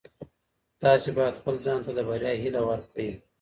تاسي باید خپل ځان ته د بریا هیله ورکړئ.